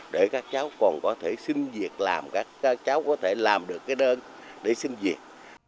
để các cháu còn có thể xin việc làm các cháu có thể làm được cái đơn để xin việc